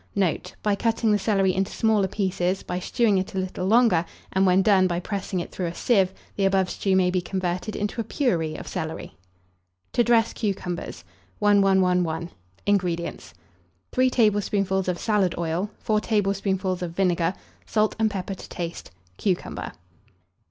Note. By cutting the celery into smaller pieces, by stewing it a little longer, and, when done, by pressing it through a sieve, the above stew may be converted into a puree of celery. TO DRESS CUCUMBERS. 1111. INGREDIENTS. 3 tablespoonfuls of salad oil, 4 tablespoonfuls of vinegar, salt and pepper to taste; cucumber.